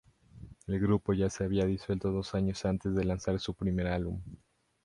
El grupo ya se había disuelto dos años antes de lanzar su primer álbum.